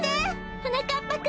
はなかっぱくん。